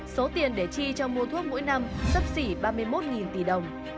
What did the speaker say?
số tiền để chi cho mua thuốc mỗi năm sắp xỉ ba mươi một tỷ đồng